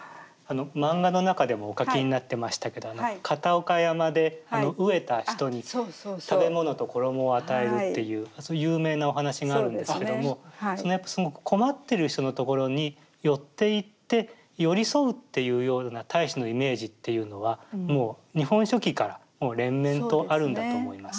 漫画の中でもお描きになってましたけど片岡山で飢えた人に食べ物と衣を与えるっていう有名なお話があるんですけどもやっぱすごく困ってる人のところに寄っていって寄り添うっていうような太子のイメージっていうのはもう「日本書紀」から連綿とあるんだと思います。